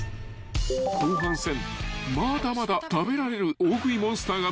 ［後半戦まだまだ食べられる大食いモンスターが向かったのは］